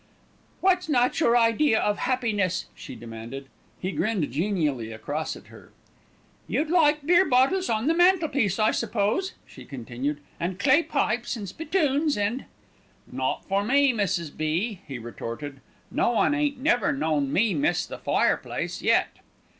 "What's not your idea of happiness?" she demanded. He grinned genially across at her. "You'd like beer bottles on the mantelpiece, I suppose," she continued, "and clay pipes and spittoons and " "Not for me, Mrs. B.," he retorted; "no one ain't never known me miss the fire place yet."